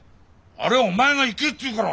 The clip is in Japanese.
あれはお前が行けって言うから。